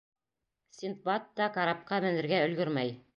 Синдбад та карапҡа менергә өлгөрмәй.